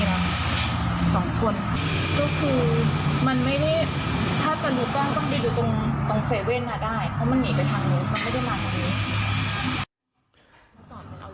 เพราะมันหนีไปทางนู้นเขาไม่ได้มาทางนู้น